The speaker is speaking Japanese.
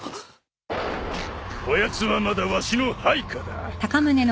こやつはまだわしの配下だ。